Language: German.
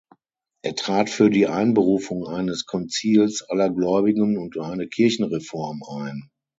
Er trat für die Einberufung eines Konzils aller Gläubigen und eine Kirchenreform ein.